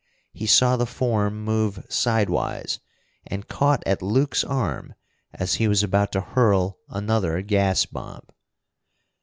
He saw the form move sidewise, and caught at Luke's arm as he was about to hurl another gas bomb.